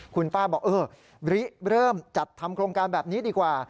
คุณป้าบอกเออริเริ่มจัดทำโครงการแบบนี้ดีกว่า